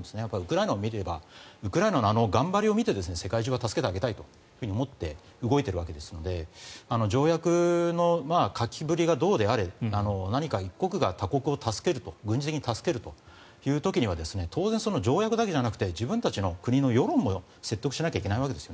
ウクライナを見ればウクライナのあの頑張りを見て世界中は助けてあげたいと思って動いているわけですので条約の書きぶりがどうであれ何か１国が他国を助けると軍事的に助けるという時には当然、条約だけじゃなくて自分たちの国の世論も説得しないといけないわけです。